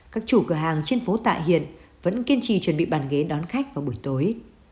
các chủ cửa hàng trên phố tạ hiện vẫn kiên trì chuẩn bị bàn ghế đón khách vào buổi tối